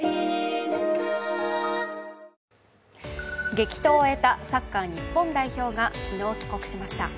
激闘を終えたサッカー日本代表が昨日、帰国しました。